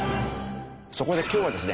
そこで今日はですね